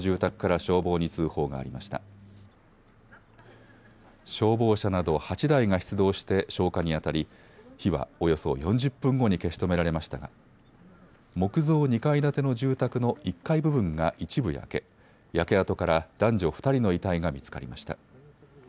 消防車など８台が出動して消火にあたり火はおよそ４０分後に消し止められましたが木造２階建ての住宅の１階部分が一部焼け、焼け跡から男女２人の遺体が見つかりました。